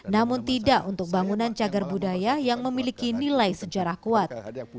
namun tidak untuk bangunan cagar budaya yang memiliki nilai sejarah kuat